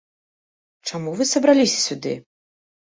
Чаму вы сабраліся сюды?